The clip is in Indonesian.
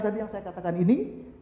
tadi yang saya katakan ini